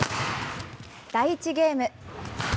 第１ゲーム。